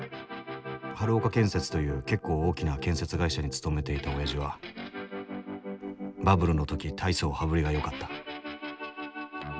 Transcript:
春岡建設という結構大きな建設会社に勤めていたおやじはバブルの時大層羽振りがよかった